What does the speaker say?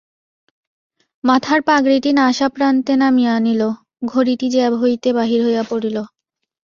মাথার পাগড়িটি নাসাপ্রান্তে নামিয়া আসিল, ঘড়িটি জেব হইতে বাহির হইয়া পড়িল।